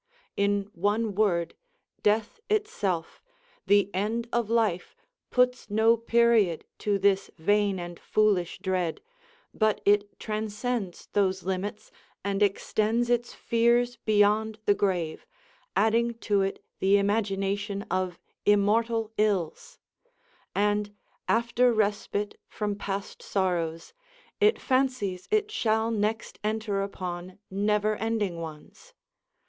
In one word, death itself, the end of life, puts no period to this vain and foolish dread : but it transcends those limits, and extends its fears beyond the grave, adding to it the imagination of immortal ills ; and after respite from past sorrows, it fancies it shall next enter upon never end ing ones.